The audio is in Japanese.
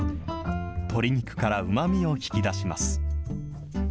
鶏肉からうまみを引き出します。